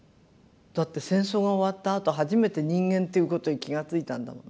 だって戦争が終わったあと初めて人間っていうことに気が付いたんだもの。